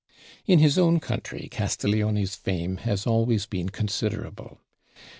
In his own country Castiglione's fame has always been considerable.